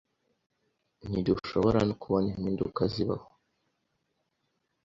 ntidushobora no kubona impinduka zibaho